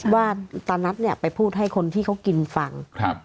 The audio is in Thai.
ว่าตอนนั้นไปพูดให้คนที่เขากินฟัง